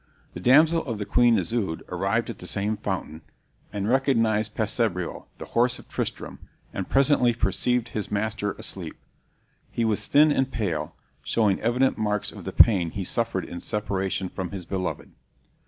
The damsel of Queen Isoude arrived at the same fountain, and recognized Passebreul, the horse of Tristram, and presently perceived his master asleep. He was thin and pale, showing evident marks of the pain he suffered in separation from his beloved.